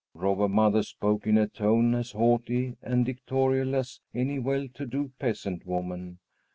Robber Mother spoke in a tone as haughty and dictatorial as any well to do peasant woman.